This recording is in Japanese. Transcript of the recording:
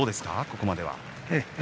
ここまでは。